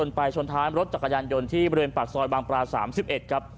ตรงท้ายก็เพราะรถจักรยานยนต์ที่บริเวณปากซอยบางปราศท่าร์๓๑